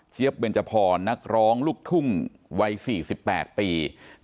เชี๊ยบเบญจพรนักร้องลูกทุ่งวัย๔๘ปี